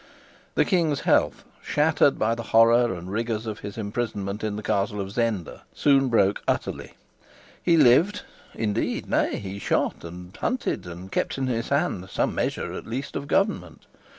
The king's health, shattered by the horror and rigors of his imprisonment in the castle of Zenda, soon broke utterly. He lived, indeed; nay, he shot and hunted, and kept in his hand some measure, at least, of government.